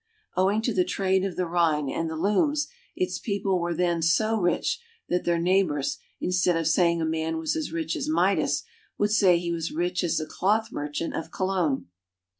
Owing to the trade of the Rhine and the looms, its people were then so rich that their neighbors, instead of saying a man was as rich as Midas, would say he was as rich as a cloth mer chant of Cologne.